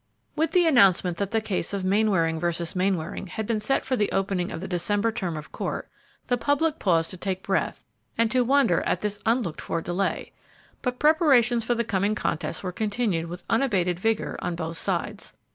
With the announcement that the case of Mainwaring versus Mainwaring had been set for the opening of the December term of court, the public paused to take breath and to wonder at this unlooked for delay, but preparations for the coming contest were continued with unabated vigor on both sides.